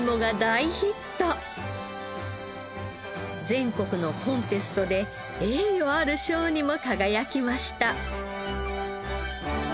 全国のコンテストで栄誉ある賞にも輝きました。